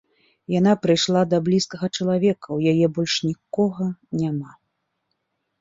Яна прыйшла да блізкага чалавека, у яе больш нікога няма.